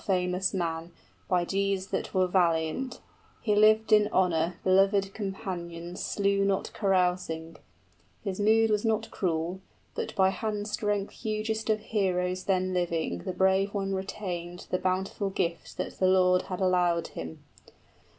} War famous man, by deeds that were valiant, He lived in honor, belovèd companions 35 Slew not carousing; his mood was not cruel, But by hand strength hugest of heroes then living The brave one retained the bountiful gift that The Lord had allowed him.